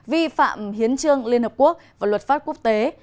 vi phạm hiến trương liên hợp quốc và luật pháp quốc tế